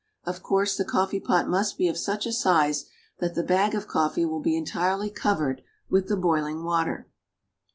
Of course the coffee pot must be of such a size that the bag of coffee will be entirely covered with the boiling water.